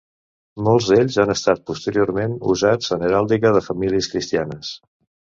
Molts d'ells han estat posteriorment usats en heràldica de famílies cristianes.